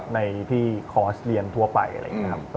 ในที่คอร์สเรียนทั่วไปอะไรอย่างนี้ครับ